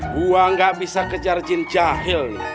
gua gak bisa kejar jin jahil